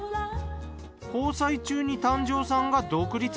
交際中に丹上さんが独立。